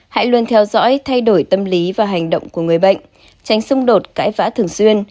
hãy luôn theo dõi thay đổi tâm lý và hành động của người bệnh tránh xung đột cãi vã thường xuyên